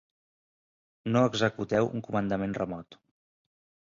No executeu un comandament remot.